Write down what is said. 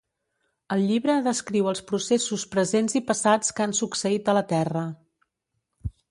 El llibre descriu els processos presents i passats que han succeït a la terra.